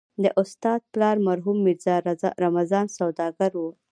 د استاد پلار مرحوم ميرزا رمضان سوداګر و.